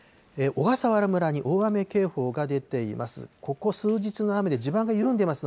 小笠原村に大雨警報が出ています。